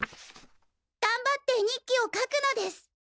がんばって絵日記を書くのです！